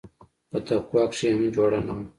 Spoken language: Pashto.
په تقوا کښې يې هم جوړه نه وه.